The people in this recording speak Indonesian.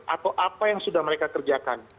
atau apa yang sudah mereka kerjakan